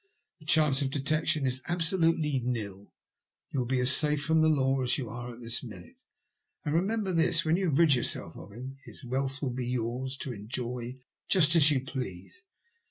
The chance of detection is absolutely nil. You will be as safe from the law as you are at this minute. And remember this, when you have rid yourself of him, his wealth will be yours to enjoy just as you please.